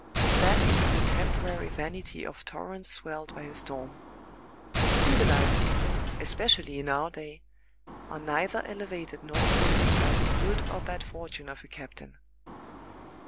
That is the temporary vanity of torrents swelled by a storm. Civilized people, especially in our day, are neither elevated nor abased by the good or bad fortune of a captain.